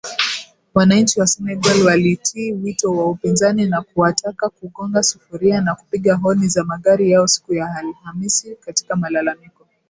Wananchi wa Senegal walitii wito wa upinzani Na kuwataka kugonga sufuria na kupiga honi za magari yao siku ya Alhamis katika malalamiko